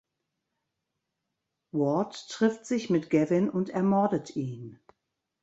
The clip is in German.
Ward trifft sich mit Gavin und ermordet ihn.